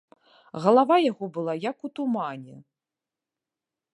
Галава яго была, як у тумане.